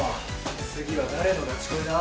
次は誰のガチ恋だ？